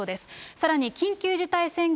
さらに緊急事態宣言